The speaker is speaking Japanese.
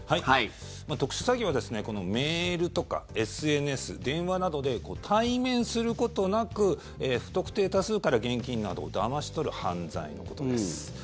特殊詐欺はメールとかＳＮＳ、電話などで対面することなく不特定多数から現金などをだまし取る犯罪のことです。